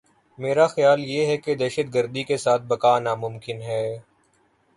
میرا خیال یہ ہے کہ دہشت گردی کے ساتھ بقا ناممکن ہے۔